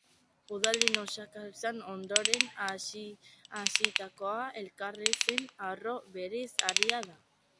Udalen osaketaren ondoren hasitako elkarrizketa-aro berriaz ariko da.